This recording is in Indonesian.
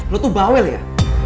lo tuh bawel ya